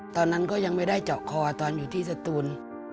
ตอนนั้นก็ยังไม่ได้เจาะคอตอนอยู่ที่สตูน